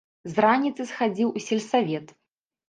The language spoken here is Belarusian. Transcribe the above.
З раніцы схадзіў у сельсавет.